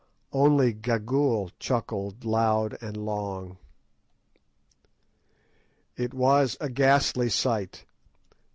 Only Gagool chuckled loud and long. It was a ghastly sight.